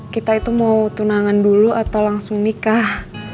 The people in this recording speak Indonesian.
kita itu mau tunangan dulu atau langsung nikah